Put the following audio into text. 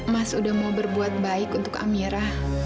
mas udah mau berbuat baik untuk amira